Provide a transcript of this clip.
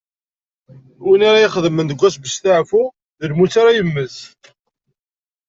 Win ara ixedmen deg wass n westeɛfu, d lmut ara yemmet.